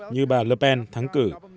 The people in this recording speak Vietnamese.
như bà le pen thắng cử